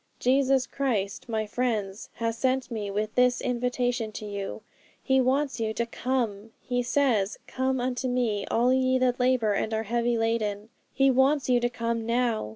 Jesus Christ, my friends, has sent me with this invitation to you. He wants you to come. He says, "Come unto Me, all ye that labour and are heavy laden." He wants you to come now.